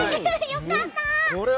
良かった！